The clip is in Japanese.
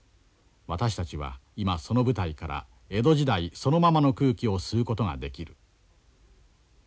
私たちは今その舞台から江戸時代そのままの空気を吸うことができる。